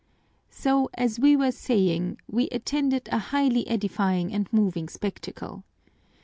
"So, as we were saying, we attended a highly edifying and moving spectacle.